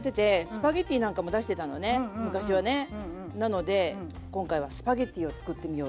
なので今回はスパゲッティをつくってみようと。